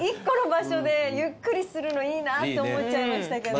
１個の場所でゆっくりするのいいなぁって思っちゃいました。